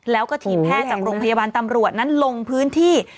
แล้วก็ทีมแพทย์จากโรงพยาบาลตำรวจนั้นลงพื้นที่